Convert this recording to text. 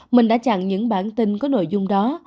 mình đã chặn những bản tin có nội dung đó